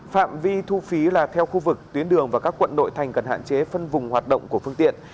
phạm vi thu phí là theo khu vực tuyến đường và các quận nội thành cần hạn chế phân vùng hoạt động của phương tiện